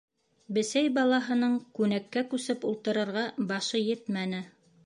Бесәй балаһының күнәккә күсеп ултырырға башы етмәне.